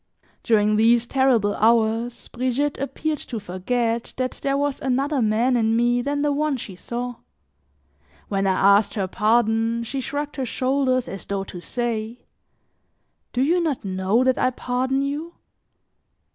During these terrible hours, Brigitte appeared to forget that there was another man in me than the one she saw. When I asked her pardon she shrugged her shoulders as though to say: "Do you not know that I pardon you?"